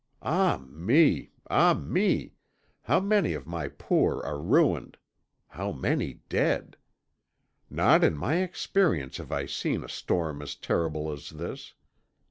Ah me ah me! how many of my poor are ruined; how many dead! Not in my experience have I seen a storm as terrible as this.